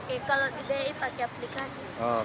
kalau di bi pakai aplikasi